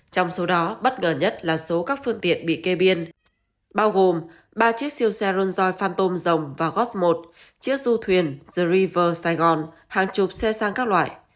trong số đó bất ngờ nhất là số các phương tiện bị kê biên bao gồm ba chiếc siêu xe rolls royce phantom rồng và goss một chiếc du thuyền the river saigon hàng chục xe sang các loại